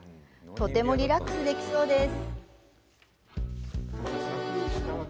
とてもリラックスできそうです。